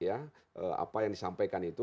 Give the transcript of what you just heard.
apa yang disampaikan itu